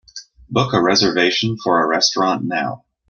Book a reservation for a restaurant now